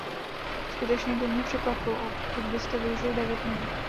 Skutečně by mě překvapilo, pokud byste využil devět minut.